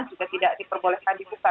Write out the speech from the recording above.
juga tidak diperbolehkan di buka